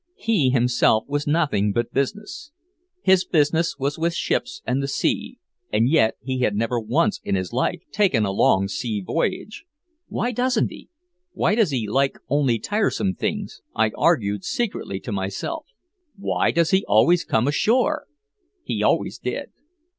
He himself was nothing but business. His business was with ships and the sea, and yet he had never once in his life taken a long sea voyage. "Why doesn't he? Why does he like only tiresome things?" I argued secretly to myself. "Why does he always come ashore?" He always did.